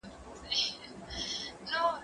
زه اجازه لرم چي لاس پرېولم؟!